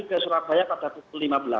ke surabaya pada pukul lima belas